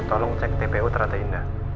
tolong cek tpu terata indah